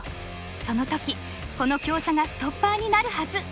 その時この香車がストッパーになるはず。